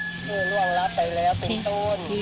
คือร่วงรับไปแล้วเป็นต้น